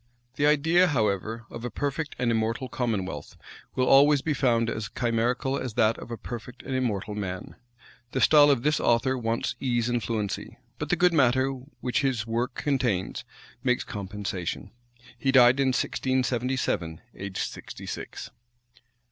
The idea however, of a perfect and immortal commonwealth, will always be found as chimerical as that of a perfect and immortal man. The style of this author wants ease and fluency; but the good matter which his work contains, makes compensation. He died in 1677, aged sixty six.